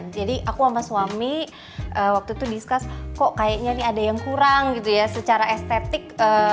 jadi aku sama suami waktu itu discuss kok kayaknya nih ada yang kurang gitu ya secara estetik